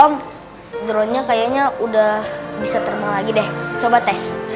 om dronnya kayaknya udah bisa termal lagi deh coba tes